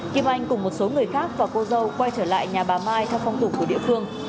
kim anh cùng một số người khác và cô dâu quay trở lại nhà bà mai theo phong tục của địa phương